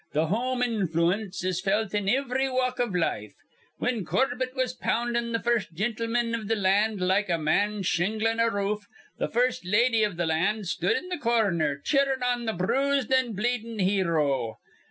Th' home infloo ence is felt in ivry walk iv life. Whin Corbett was poundin' th' first jintleman iv th' land like a man shinglin' a roof, th' first lady iv th' land stood in th' corner, cheerin' on th' bruised an' bleedin' hero.